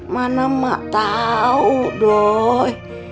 mana mak tahu doi